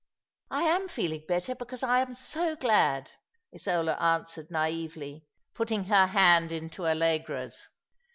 " I am feeling better because I am so glad," Isola answered naively, putting her hand into Allegra's.